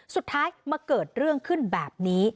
สุดท้ายมาเกิดเรื่องขึ้นแบบนี้